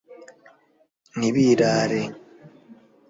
ntibirare